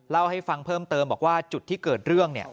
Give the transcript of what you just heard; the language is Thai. เล่าให้ฟังเพิ่มเติมบอกว่าจุดที่เกิดเรื่องเนี่ย